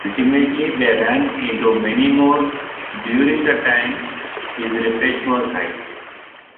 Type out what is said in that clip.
Ultimately they ran into many more during the time his reputation was high.